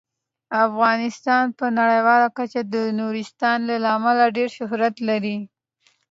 افغانستان په نړیواله کچه د نورستان له امله ډیر شهرت لري.